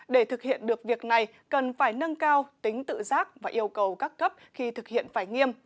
để thực hiện được việc này cần phải nâng cao tính tự giác và yêu cầu các cấp khi thực hiện phải nghiêm